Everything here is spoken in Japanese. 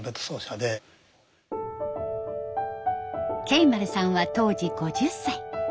ケイマルさんは当時５０歳。